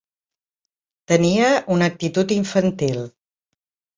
Tenia una actitud infantil.